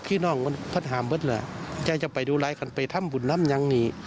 พี่น้องเขาถามว่าจะไปดูแลกันไปทำบุญรัมย์อย่างนี้